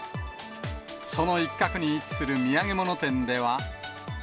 その一角に位置する土産物店では。